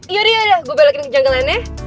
iya udah iya udah gue belokin kejanggilan ya